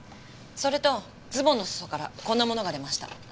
それとズボンの裾からこんなものが出ました。